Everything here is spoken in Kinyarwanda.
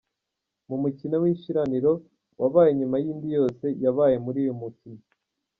Mu mukino w’ishiraniro wabaye nyuma y’indi yose yabaye muri uyu mukino.